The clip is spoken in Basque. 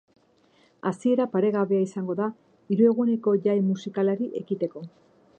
Hasiera paregabea izango da, hiru eguneko jai musikalari ekiteko.